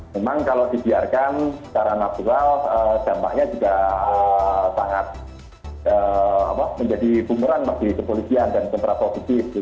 memang kalau dibiarkan secara natural dampaknya juga sangat menjadi pumeran di kepolisian dan kontrapositif